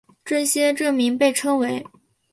这些证明被称为。